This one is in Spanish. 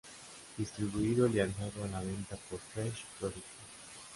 Distribuido y lanzado a la venta por Fresh Production.